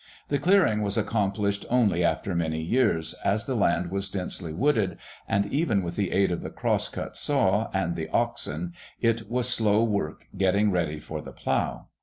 The clearing was accomplished only after many years, as the land was densely wooded, and even with the aid of the cross cut saw and the oxen it was slow work getting ready for the plow.